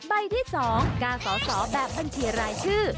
ใบที่๒การสอสอแบบบัญชีรายชื่อ